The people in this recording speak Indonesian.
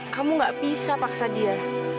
kamu gak bisa paksa dia